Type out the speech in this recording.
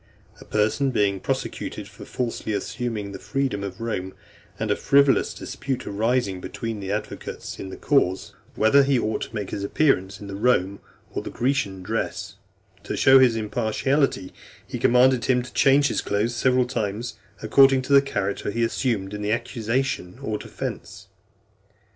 A person being prosecuted for falsely assuming the freedom of Rome, and a frivolous dispute arising between the advocates in the cause, whether he ought to make his appearance in the Roman or Grecian dress, to show his impartiality, he commanded him to change his clothes several times according to the character he assumed in the accusation or defence.